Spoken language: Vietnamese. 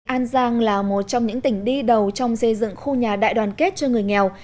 an giang là một trong những tỉnh đi đầu trong xây dựng khu nhà đại đoàn kết cho người nghèo